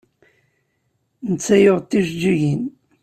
Netta yuɣ-d tijeǧǧigin.